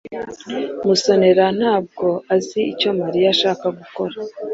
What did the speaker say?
Musonera ntabwo azi icyo Mariya ashaka gukora.